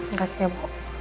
makasih ya bu